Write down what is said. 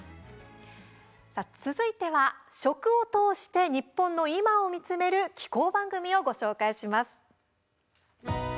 続いては、食を通して日本の今を見つめる紀行番組をご紹介します。